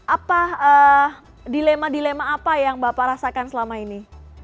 apa dilema dilema apa yang bapak rasakan selama ini